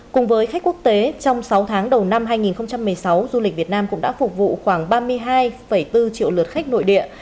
cùng với khách quốc tế trong sáu tháng đầu năm hai nghìn một mươi sáu du lịch việt nam cũng đã phục vụ khoảng ba mươi hai bốn triệu lượt khách nội địa